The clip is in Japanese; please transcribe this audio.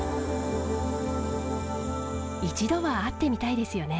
一度は会ってみたいですよね。